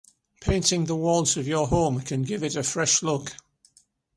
Painting the walls of your home can give it a fresh look.